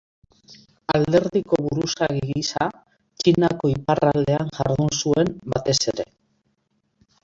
Alderdiko buruzagi gisa, Txinako iparraldean jardun zuen, batez ere.